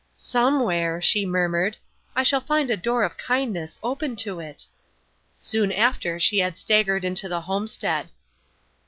"Somewhere," she murmured, "I shall find a door of kindness open to it." Soon after she had staggered into the homestead.